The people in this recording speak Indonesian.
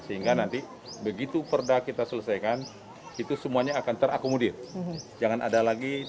sehingga nanti begitu perda kita selesaikan itu semuanya akan terakomodir jangan ada lagi